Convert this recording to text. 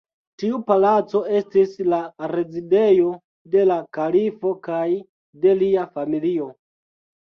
Tiu Palaco estis la rezidejo de la kalifo kaj de lia familio.